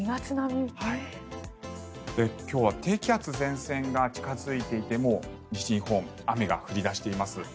今日は低気圧、前線が近付いていてもう西日本雨が降り出しています。